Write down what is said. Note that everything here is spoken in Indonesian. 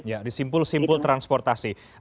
ya disimpul simpul transportasi